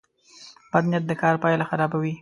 بد نیت د کار پایله خرابوي.